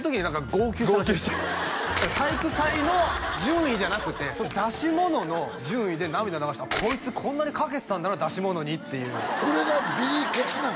号泣した体育祭の順位じゃなくて出し物の順位で涙流したこいつこんなに懸けてたんだな出し物にっていうこれがビリケツなの？